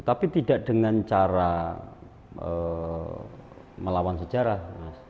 tapi tidak dengan cara melawan sejarah mas